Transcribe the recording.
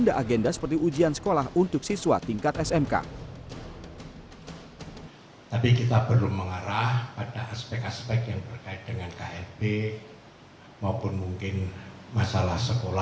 dan juga yang beritahu yang tidak beritahu